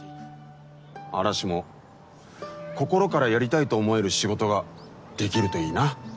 嵐も心からやりたいと思える仕事ができるといいな。